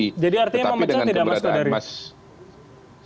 jadi artinya pak mecah tidak mas pak dari